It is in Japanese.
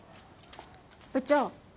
部長。